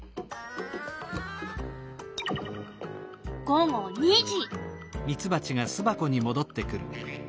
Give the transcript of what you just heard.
午後２時。